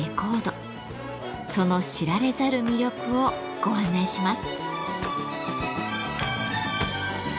その知られざる魅力をご案内します。